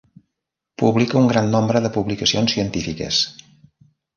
Publica un gran nombre de publicacions científiques.